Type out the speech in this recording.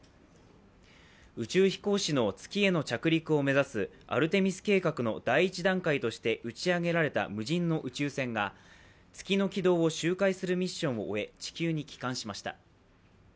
宇宙飛行士の月への着陸を目指すアルテミス計画の第１段階として打ち上げられた無人の宇宙船が月の軌道を周回するミッションを終え、地球に帰還しました。